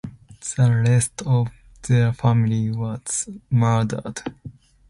The rest of their family was murdered.